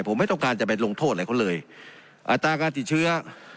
ผมไม่ต้องการจะไปลงโทษอะไรเขาเลยอัตราการติดเชื้อ